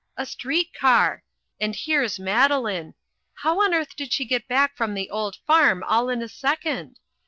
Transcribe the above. A street car! And here's Madeline! How on earth did she get back from the old farm all in a second?